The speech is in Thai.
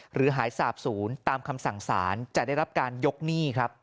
หรือหายสาบศูนย์ตามคำสั่งสารจะได้รับการยกหนี้ครับ